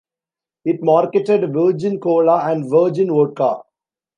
It marketed Virgin Cola and Virgin Vodka.